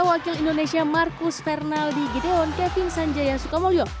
wakil indonesia marcus fernaldi gideon kevin sanjaya sukamulyo